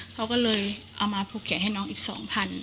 เค้าก็เลยนำมาพูดใกล่ให้น้องอีก๒๐๐๐บาท